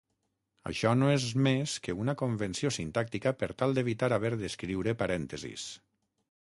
Això no és més que una convenció sintàctica per tal d'evitar haver d'escriure parèntesis.